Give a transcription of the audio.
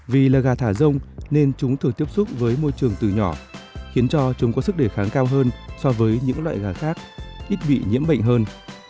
vì là gà thả rông nên chúng thường tiếp xúc với môi trường từ nhỏ khiến cho chúng có sức đề kháng cao hơn so với những loại gà khác ít bị nhiễm bệnh hơn